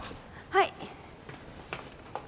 はい。